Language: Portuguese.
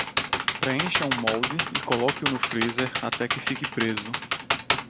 Preencha um molde e coloque-o no freezer até que fique preso.